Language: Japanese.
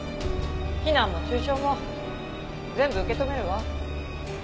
非難も中傷も全部受け止めるわ。